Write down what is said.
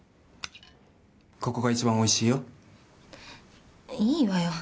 ここが一番おいしいよいいわよ